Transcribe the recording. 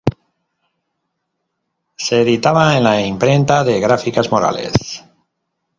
Se editaba en la imprenta de Gráficas Morales.